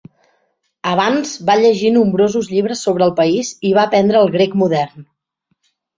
Abans va llegir nombrosos llibres sobre el país i va aprendre el grec modern.